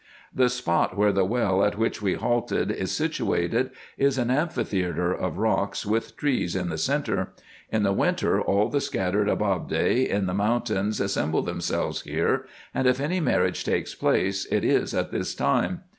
The spot where the well at which we halted is situated is an am pin theatre of rocks, with trees in the centre. In the winter all the scattered Ababde in the mountains assemble together here, and if any marriage takes place, it is at this time.